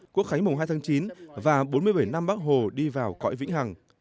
quốc khánh mồng hai tháng chín và bốn mươi bảy năm bác hồ đi vào cõi vĩnh hằng